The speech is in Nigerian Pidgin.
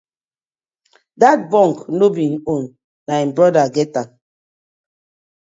Dat bunk no be im own, na im brother get am.